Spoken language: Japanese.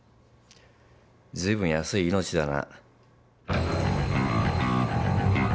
随分安い命だな。